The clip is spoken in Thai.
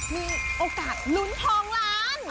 มีโอกาสลุ้นทองล้าน